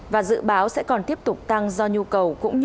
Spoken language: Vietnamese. và dự báo sẽ còn tiếp tục tăng do nhu cầu